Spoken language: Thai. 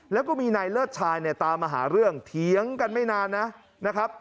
แล้วก็มีนายเลิศชายตามมาหาเรื่องเดี๋ยวกันไม่นานนะ